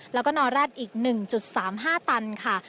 แล้วก็นอแร็ดอีก๑๓๕ตันค่ะ